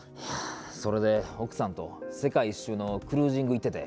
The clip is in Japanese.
それで奥さんと世界一周のクルージング行ってて。